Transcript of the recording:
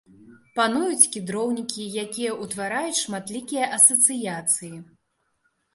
Пануюць кедроўнікі, якія ўтвараюць шматлікія асацыяцыі.